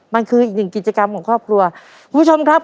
มันคืออีกหนึ่งกิจกรรมของครอบครัวคุณผู้ชมครับ